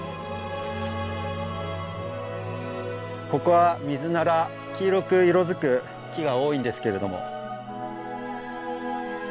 ここはミズナラ黄色く色づく木が多いんですけれども。